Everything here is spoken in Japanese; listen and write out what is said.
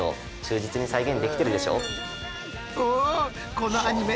このアニメ